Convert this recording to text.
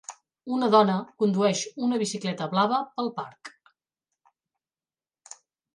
Una dona condueix una bicicleta blava pel parc.